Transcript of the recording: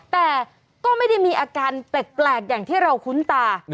แต่ก็ไม่ได้มีอาการแปลกอย่างที่เราคุ้นตา